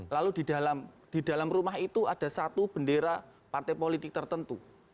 lalu di dalam rumah itu ada satu bendera partai politik tertentu